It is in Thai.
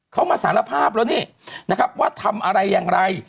เขามาสารภาพแล้วนี่นะครับว่าทำอะไรอย่างไร